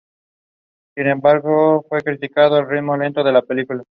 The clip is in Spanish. Sin embargo, fue criticado el "ritmo lento" de la película.